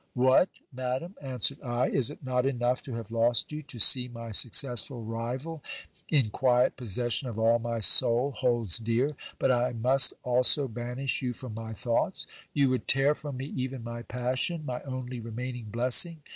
What ! madam, answered I, is it not enough to have lost you, to see my successful rival in quiet possession of all my soul holds dear, but I must also banish you from my thoughts ? You would tear from me even my passion, my only remaining blessing